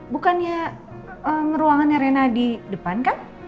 bukannya ruangannya rena di depan kah